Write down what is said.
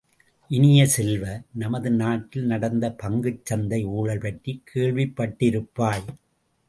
இனிய செல்வ, நமது நாட்டில் நடந்த பங்குச் சந்தை ஊழல் பற்றிக் கேள்விப்பட்டிருப்பாய்!